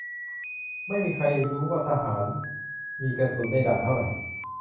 ไม่มีใครรู้ว่าทหารมีกระสุนในด่านเท่าไหร่